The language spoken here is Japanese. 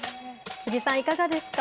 辻さん、いかがですか。